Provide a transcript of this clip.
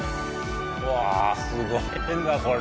うわぁすごいなこれ。